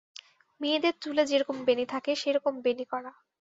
মেয়েদের চুলে যে রকম বেণী থাকে, সে রকম বেণী-করা।